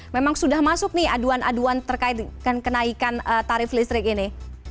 memang sudah masuk nih aduan aduan terkait dengan kenaikan tarif listrik ini